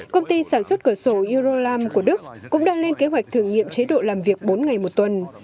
công ty sản xuất cửa sổ eurolam của đức cũng đang lên kế hoạch thử nghiệm chế độ làm việc bốn ngày một tuần